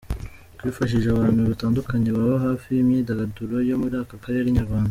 Twifashishije abantu batandukanye baba hafi imyidagaduro yo muri aka karere Inyarwanda.